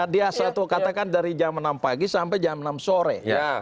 dia satu katakan dari jam enam pagi sampai jam enam sore